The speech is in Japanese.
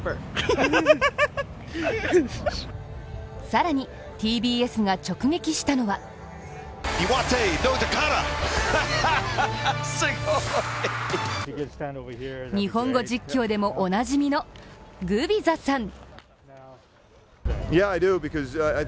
更に、ＴＢＳが直撃したのは日本語実況でもおなじみのグビザさん。